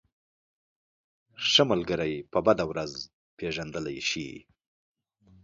ښه ملگری په بده ورځ پېژندلی شې.